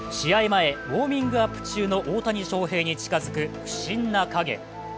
前、ウォーミングアップ中の大谷翔平に近づく不審な影。